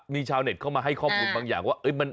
มีชาวเน็ตเข้ามาให้ข้อมูลบางอย่างว่า